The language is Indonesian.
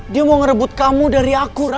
dia mau ngerebut kamu dari aku